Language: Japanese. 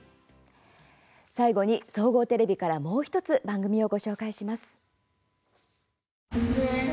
最後に、総合テレビからもう１つ番組をご紹介します。